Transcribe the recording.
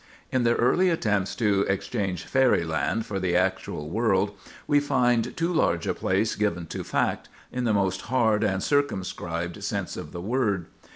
In their early attempts to exchange Fairy Land for the actual world, we find too large a place given to fact, in the most hard and circumscribed sense of the word.